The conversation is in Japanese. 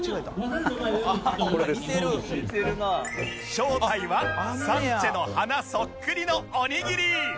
正体はサンチェの鼻そっくりのおにぎり